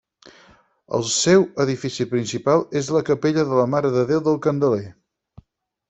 El seu edifici principal és la capella de la Mare de Déu del Candeler.